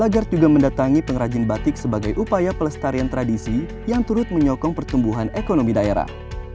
agar juga mendatangi pengrajin batik sebagai upaya pelestarian tradisi yang turut menyokong pertumbuhan ekonomi daerah